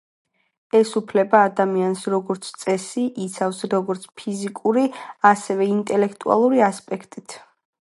ეს უფლება ადამიანს, როგორც წესი, იცავს, როგორც ფიზიკური, ასევე ინტელექტუალური ასპექტით.